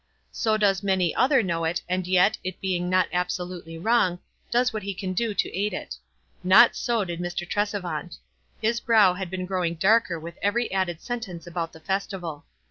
So does many another know it, and yet, it being not absolutely wrong, does what he can do to aid it. Not so did Mr. Tresevant. His brow had been growing darker with every added sen tence about the festival.